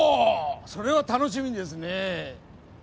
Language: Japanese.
それは楽しみですねえ